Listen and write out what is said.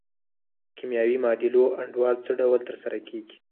د کیمیاوي معادلو انډول څه ډول تر سره کیږي؟